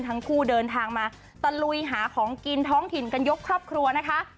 ทั้งคู่เดินทางมาตะลุยหาของกินท้องถิ่นกันยกครอบครัวนะคะ